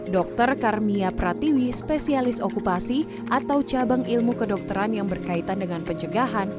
dr karmia pratiwi spesialis okupasi atau cabang ilmu kedokteran yang berkaitan dengan pencegahan